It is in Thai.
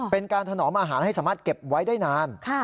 เป็นการถนอมอาหารให้สามารถเก็บไว้ได้นาน